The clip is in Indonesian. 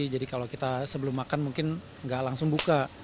jadi kalau kita sebelum makan mungkin nggak langsung buka